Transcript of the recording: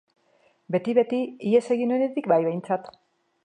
Beti, beti... Ihes egin nuenetik bai, behintzat.